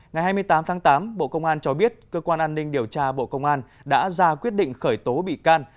ngày hai mươi tám tháng tám bộ công an cho biết cơ quan an ninh điều tra bộ công an đã ra quyết định khởi tố bị can